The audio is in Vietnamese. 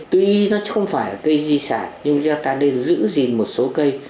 tuy nó không phải là cây di sản nhưng chúng ta nên giữ gìn một số cây